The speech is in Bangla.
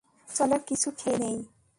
চলো কিছু খেয়ে নেই।